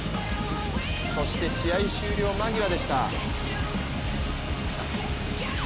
そして試合終了間際でした。